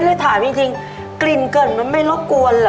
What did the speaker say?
เลยถามจริงกลิ่นเกริ่นมันไม่รบกวนเหรอ